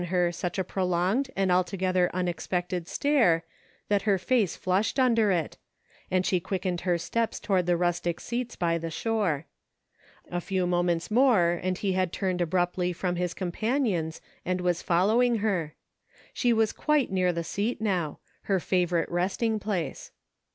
her such a prolonged and altogether unexpected stare, that her face flushed under it, and she quick ened her steps toward the rustic seats by the shore. A few moments more and he had turned abruptly from his companions and was following her. She was quite near the seat now — her favorite resting place.